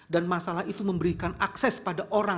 dan masalah itu memberikan akses pada orang